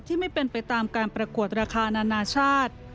ไม่เป็นไปตามการประกวดราคานานาชาติ